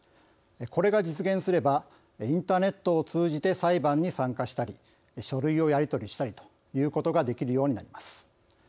これが実現すればインターネットを通じて裁判に参加したり書類をやり取りしたりということができるようになります。